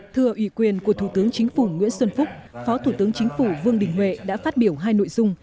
thưa ủy quyền của thủ tướng chính phủ nguyễn xuân phúc phó thủ tướng chính phủ vương đình huệ đã phát biểu hai nội dung